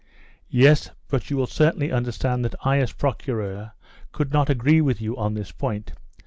"Yes, but you will certainly understand that I as Procureur, can not agree with you on this point.